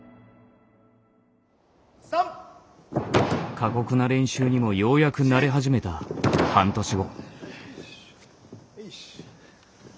過酷な練習にもようやく慣れ始めた半年後。